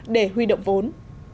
để huy động vốn